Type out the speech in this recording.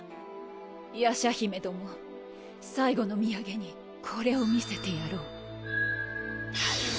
夜叉姫ども最期の土産にこれを見せてやろう。